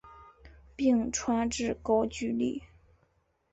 并传至高句丽。